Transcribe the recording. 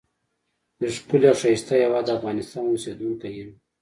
دښکلی او ښایسته هیواد افغانستان اوسیدونکی یم.